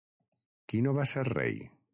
Qui no va ser rei?